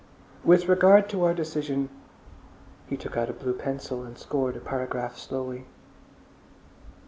"With regard to our decision—" He took out a blue pencil and scored a paragraph slowly.